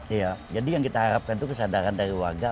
iya jadi yang kita harapkan itu kesadaran dari warga